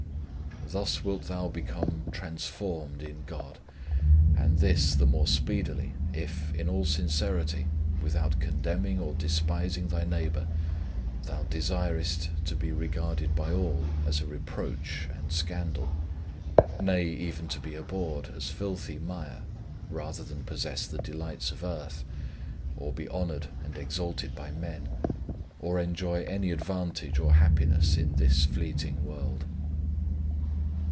Thus wilt thou become trans formed in God, and this the more speedily if, in all sincerity, without condemning or despising thy neigh bour, thou desirest to be regarded by all as a reproach and scandal nay, even to be abhorred as filthy mire, rather than possess the delights of earth, or be honoured and exalted by men, or enjoy any advantage or happiness in this fleeting world.